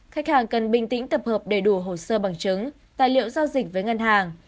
khách hàng cần bình tĩnh tập hợp đầy đủ hồ sơ bằng chứng tài liệu giao dịch với ngân hàng